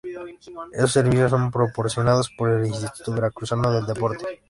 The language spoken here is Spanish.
Esos servicios son proporcionados por el Instituto Veracruzano del Deporte.